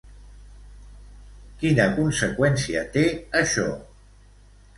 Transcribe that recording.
Quina conseqüència té això?